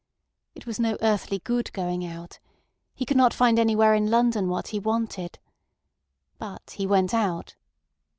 It was no earthly good going out. He could not find anywhere in London what he wanted. But he went out.